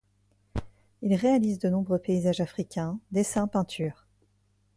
Il réalise de nombreux paysages africains, dessins, peintures.